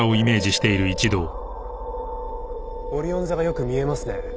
オリオン座がよく見えますね。